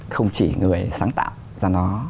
không chỉ người sáng tạo